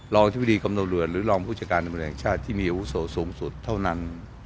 ลองทฤษฐีกรรมตำรวจหรือลองผู้จัดการตำรวจชาติที่มีอุโสสูงสุดเท่านั้น